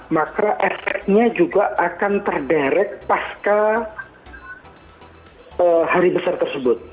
maka efeknya juga akan terderek pasca hari besar tersebut